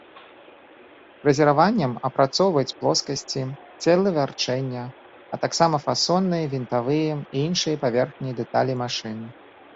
Фрэзераваннем апрацоўваюць плоскасці, целы вярчэння, а таксама фасонныя, вінтавыя і іншыя паверхні дэталей машын.